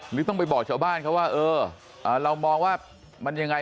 หรือต้องไปบอกชาวบ้านเขาว่าเออเรามองว่ามันยังไง